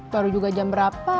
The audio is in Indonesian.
baru juga jam berapa